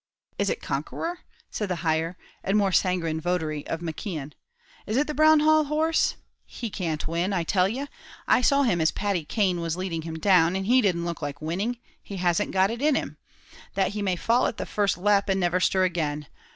"Is it Conqueror?" said the higher, and more sanguine votary of McKeon. "Is it the Brown Hall horse? He can't win, I tell ye! I saw him as Paddy Cane was leading him down, and he didn't look like winning; he hasn't got it in him. That he may fall at the first lep, and never stir again!